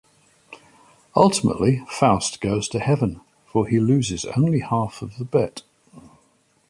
Ultimately, Faust goes to Heaven, for he loses only half of the bet.